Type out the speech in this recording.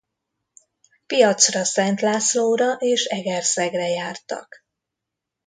Piacra Szentlászlóra és Egerszegre jártak.